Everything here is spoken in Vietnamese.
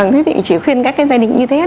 thế vị chỉ khuyên các cái gia đình như thế